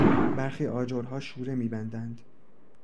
برخی آجرها شوره میبندند.